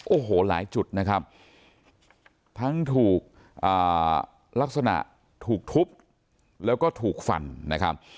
โอ้โหหลายจุดนะครับทั้งถูกลักษณะถูกทุบแล้วก็ถูกฟันนะครับ